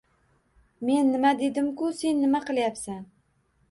Men nima dedim-ku sen nima qilyapsan!